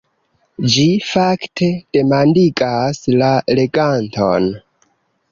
Ĝi fakte demandigas la leganton.